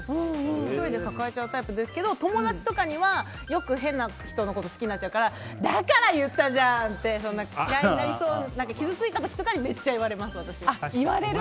１人で抱えちゃうタイプですけど友達とかにはよく、変な人のこと好きになっちゃうからだから言ったじゃん！って傷ついた時とかにめっちゃ言われます。